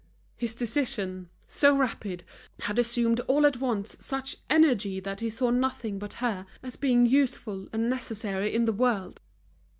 His decision, so rapid, had assumed all at once such energy that he saw nothing but her as being useful and necessary in the world.